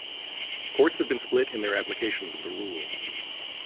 Courts have been split in their applications of the rule.